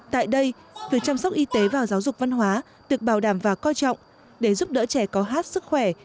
tại đây việc chăm sóc y tế và giáo dục văn hóa được bảo đảm và coi trọng để giúp đỡ trẻ có hát sức khỏe